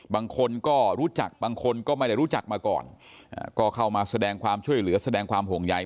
บางคนก็รู้จักบางคนก็ไม่ได้รู้จักมาก่อนก็เข้ามาแสดงความช่วยเหลือแสดงความห่วงใย